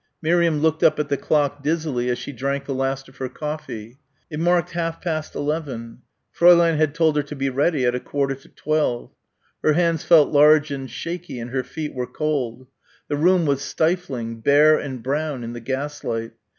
Miriam looked up at the clock dizzily as she drank the last of her coffee. It marked half past eleven. Fräulein had told her to be ready at a quarter to twelve. Her hands felt large and shaky and her feet were cold. The room was stifling bare and brown in the gaslight.